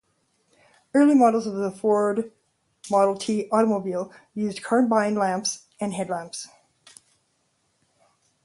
Early models of the Ford Model T automobile used carbide lamps as headlamps.